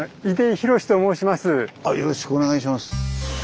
よろしくお願いします。